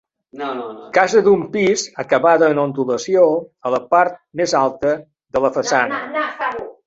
Casa d'un pis, acabada en ondulació a la part més alta de la façana.